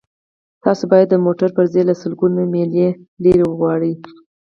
تاسو باید د موټر پرزې له سلګونه میله لرې وغواړئ